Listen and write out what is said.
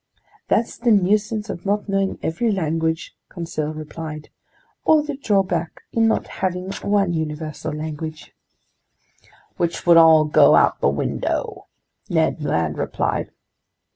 "That's the nuisance in not knowing every language," Conseil replied, "or the drawback in not having one universal language!" "Which would all go out the window!" Ned Land replied.